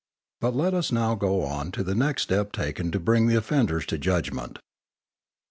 But let us now go on to the next step taken to bring the offenders to Judgment.